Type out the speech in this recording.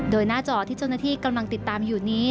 โดยหน้าจอที่เจ้าหน้าที่กำลังติดตามอยู่นี้